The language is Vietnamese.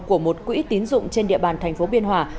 của một quỹ tín dụng trên địa bàn tp biên hòa